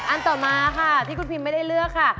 อันต่อมาค่ะที่คุณพิมไม่ได้เลือกค่ะ